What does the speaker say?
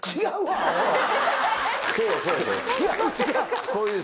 違う！